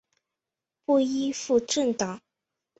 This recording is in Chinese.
不依附政党！